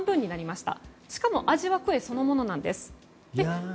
しかも味はクエそのものなんです。